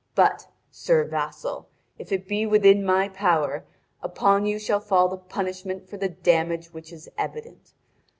But, sir vassal, if it be within my power, upon you shall fall the punishment for the damage which is evident.